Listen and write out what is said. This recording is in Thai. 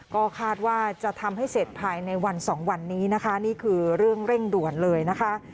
ก็คาดว่าจะทำให้เสร็จภายในวันสองวันนี้นะคะนี่คือเรื่องเร่งด่วนเลยนะคะ